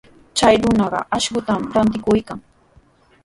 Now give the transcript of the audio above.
Chay runaqa akshutami rantikuykan.